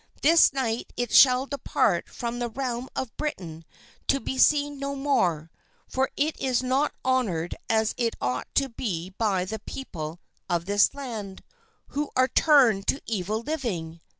This night it shall depart from the realm of Britain to be seen no more, for it is not honored as it ought to be by the people of this land, who are turned to evil living.